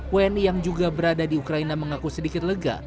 wni yang juga berada di ukraina mengaku sedikit lega